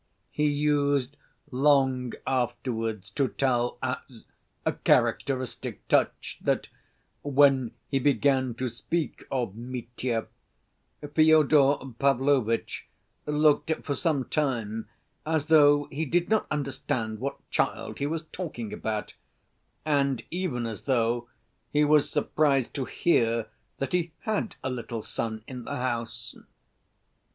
He used long afterwards to tell as a characteristic touch, that when he began to speak of Mitya, Fyodor Pavlovitch looked for some time as though he did not understand what child he was talking about, and even as though he was surprised to hear that he had a little son in the house.